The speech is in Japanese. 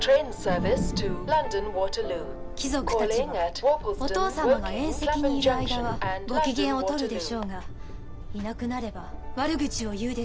貴族たちはお父様が宴席にいる間はご機嫌を取るでしょうがいなくなれば悪口を言うでしょう。